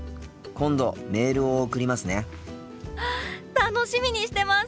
楽しみにしてます！